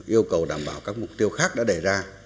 yêu cầu đảm bảo các mục tiêu khác đã đề ra